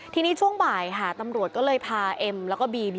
ทีนี้ช่วงบ่ายค่ะตำรวจก็เลยพาเอ็มแล้วก็บีบี